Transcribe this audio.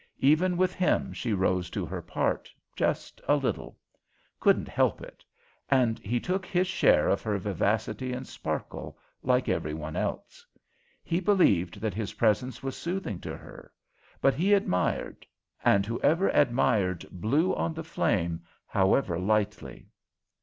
Even with him she rose to her part just a little; couldn't help it. And he took his share of her vivacity and sparkle, like every one else. He believed that his presence was soothing to her. But he admired; and whoever admired, blew on the flame, however lightly.